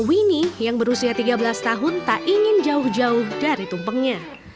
winnie yang berusia tiga belas tahun tak ingin jauh jauh dari tumpengnya